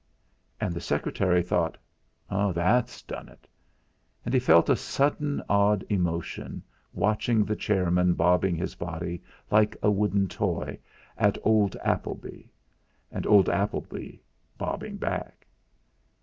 And the secretary thought: 'That's done it!' And he felt a sudden odd emotion, watching the chairman bobbing his body, like a wooden toy, at old Appleby; and old Appleby bobbing back.